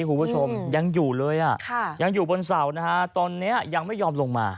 คุณผู้ชมยังอยู่เลยอ่ะยังอยู่บนเสานะฮะตอนนี้ยังไม่ยอมลงมา